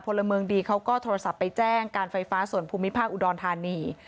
พลเมืองดีเขาก็โทรศัพท์ไปแจ้งการไฟฟ้าส่วนภูมิภาคอุดรธานี